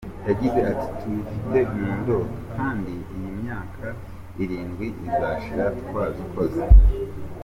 Yagize ati “Tubifite mu ndoto kandi iyi myaka irindwi izashira twabikoze.